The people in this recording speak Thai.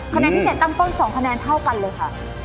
คะแนนที่เสร็จตั้งต้นสองคะแนนเท่ากันเลยค่ะ